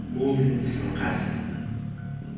Ur tent-ssenqaseɣ.